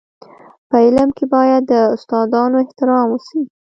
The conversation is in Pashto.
په علم کي باید د استادانو احترام وسي.